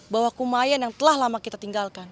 bahwa kumayan yang telah lama kita tinggalkan